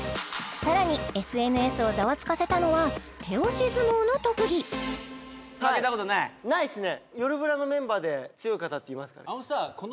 さらにＳＮＳをザワつかせたのは手押し相撲の特技ないっすね